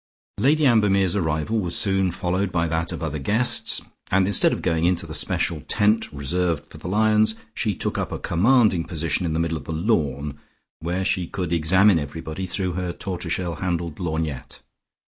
Lady Ambermere's arrival was soon followed by that of other guests, and instead of going into the special tent reserved for the lions, she took up a commanding position in the middle of the lawn, where she could examine everybody through her tortoiseshell handled lorgnette.